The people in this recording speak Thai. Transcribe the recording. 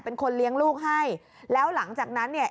เป็นคนเลี้ยงลูกให้แล้วหลังจากนั้นเนี่ย